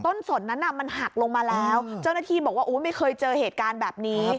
สนนั้นมันหักลงมาแล้วเจ้าหน้าที่บอกว่าไม่เคยเจอเหตุการณ์แบบนี้